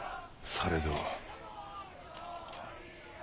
されど？